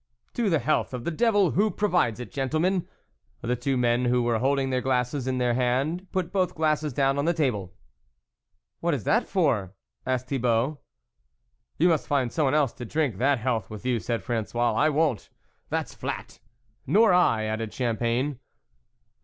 " To the health of the devil who pro vides it, gentlemen." The two men who were holding their glasses in their hand, put both glasses down on the table. < What is that for ?" asked Thibault. ' You must find someone else to drink that health with you," said Fra^ois, " I won't, that's flat !"" Nor I," added Champagne.